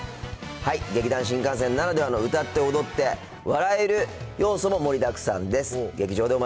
劇団☆新感線のならではの歌って踊って、笑える要素も盛りだくさんです。